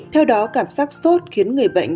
theo đó cảm giác sốt khiến người bệnh